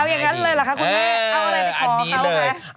อย่างนั้นเลยเหรอคะคุณแม่เอาอะไรไปขอเขาไหม